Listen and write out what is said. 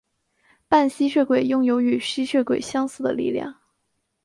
半吸血鬼拥有与吸血鬼相似的力量。